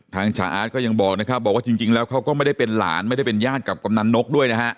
ฉาอาร์ตก็ยังบอกนะครับบอกว่าจริงแล้วเขาก็ไม่ได้เป็นหลานไม่ได้เป็นญาติกับกำนันนกด้วยนะฮะ